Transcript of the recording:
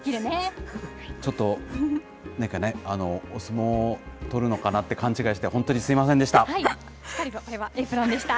ちょっとなんかね、お相撲取るのかなって、勘違いして、本当にすみませんでした。